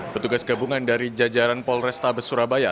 petugas gabungan dari jajaran polresta besurabaya